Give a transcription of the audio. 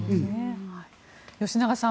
吉永さん